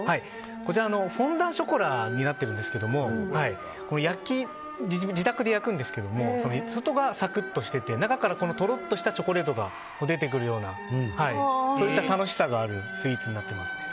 こちらはフォンダンショコラになっているんですけど自宅で焼くんですけど外がサクッとしていて中からとろっとしたチョコレートが出てくるそういった楽しさがあるスイーツになっていますね。